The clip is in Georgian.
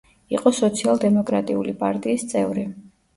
იყო სოციალ-დემოკრატიული პარტიის წევრი.